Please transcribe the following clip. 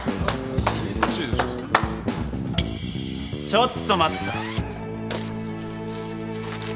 ちょっと待った。